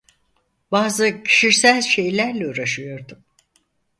Bazı kişisel şeylerle uğraşıyordum.